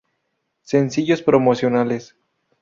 Sencillos promocionales